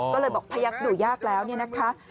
ก็เลยบอกพยักษ์ดูยากแล้วเนี่ยนะคะ